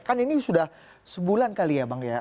kan ini sudah sebulan kali ya bang ya